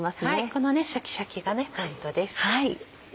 このシャキシャキがポイントです。